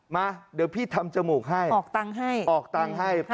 มาเดี๋ยวพี่ทำจมูกให้ออกตังให้